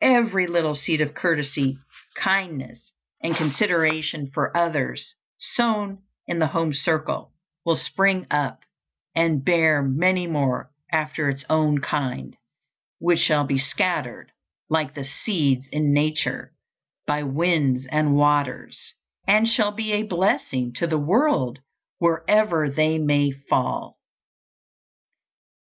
Every little seed of courtesy, kindness, and consideration for others sown in the home circle will spring up and bear many more after its own kind, which shall be scattered, like the seeds in nature, by winds and waters, and shall be a blessing to the world wherever they may fall.